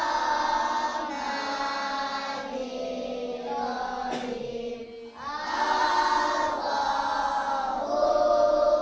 alright sampai jumpa di kota kota ini